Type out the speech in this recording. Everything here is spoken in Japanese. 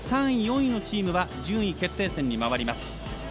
３位、４位のチームは順位決定戦に回ります。